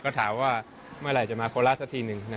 ก็ถามว่าเมื่อไหร่จะมาโคราชสักทีหนึ่ง